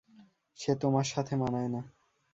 সে তোমার সাথে মানায় না।